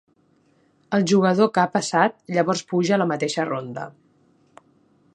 El jugador que ha passat, llavors puja a la mateixa ronda.